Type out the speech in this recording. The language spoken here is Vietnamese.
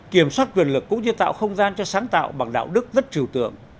kiểm soát quyền lực cũng như tạo không gian cho sáng tạo bằng đạo đức rất trừu tượng